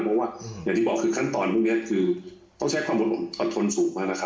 เพราะว่าอย่างที่บอกคือขั้นตอนพวกนี้คือต้องใช้ความอดทนสูงมากนะครับ